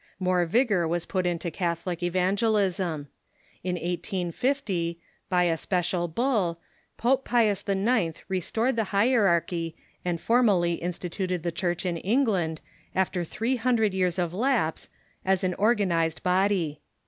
More vigor was put into Cath olic evangelism. In 1850, by a sjiecial bull, Pope Pius IX. re stored the hierarchy, and formally instituted the Church in England, after three hundred years of lapse, as an organized body.